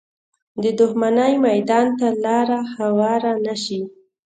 د دښمنۍ میدان ته لاره هواره نه شي